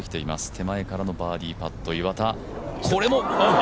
手前からのバーディーパット、岩田。